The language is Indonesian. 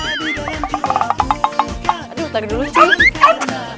aduh tarik dulu sih